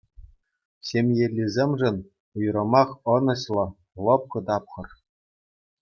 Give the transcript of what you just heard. Ҫемьеллисемшӗн уйрӑмах ӑнӑҫлӑ, лӑпкӑ тапхӑр.